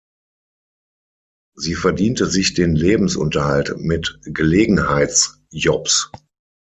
Sie verdiente sich den Lebensunterhalt mit Gelegenheitsjobs.